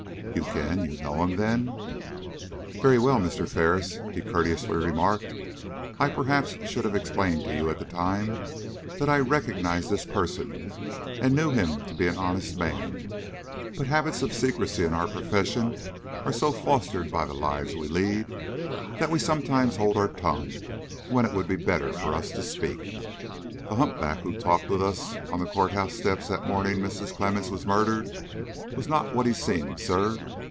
"You can? You know him, then?" "Very well. Mr. Ferris," he courteously remarked, "I perhaps should have explained to you at the time, that I recognized this person and knew him to be an honest man; but the habits of secrecy in our profession are so fostered by the lives we lead, that we sometimes hold our tongue when it would be better for us to speak. The humpback who talked with us on the court house steps the morning Mrs. Clemmens was murdered, was not what he seemed, sir.